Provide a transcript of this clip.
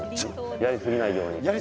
やりすぎないように。